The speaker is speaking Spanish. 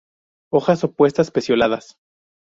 Hojas opuestas; pecioladas.